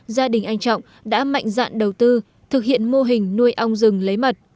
gia đình anh trọng đã mạnh dạn đầu tư thực hiện mô hình nuôi ong rừng lấy mật